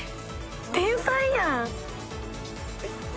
天才やん。